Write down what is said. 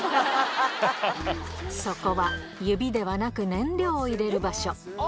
そこは指ではなく燃料を入れる場所。